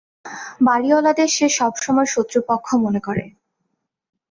বাড়িঅলাদের সে সব সময় শত্রুপক্ষ মনে করে।